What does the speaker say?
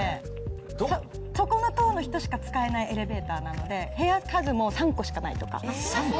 そこの棟の人しか使えないエレベーターなので部屋数も３個しかないとか。